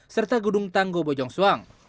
serta gedung tanggo bojong soang